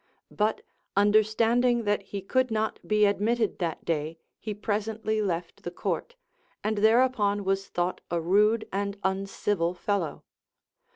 But understanding that he could not be admitted that day, he presently left the court, and thereupon was thought a rude and uncivil fellow.